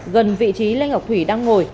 gần vị trí lê ngọc thủy đang ngồi